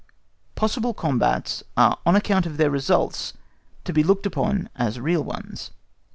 POSSIBLE COMBATS ARE ON ACCOUNT OF THEIR RESULTS TO BE LOOKED UPON AS REAL ONES.